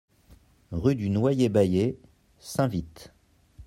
Rue du Noyer Baillet, Saint-Vit